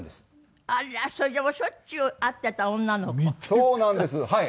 そうなんですはい。